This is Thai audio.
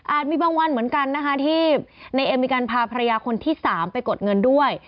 มีบางวันเหมือนกันนะคะที่ในเอ็มมีการพาภรรยาคนที่๓ไปกดเงินด้วย